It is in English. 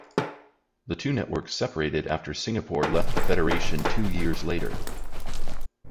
The two networks separated after Singapore left the federation two years later.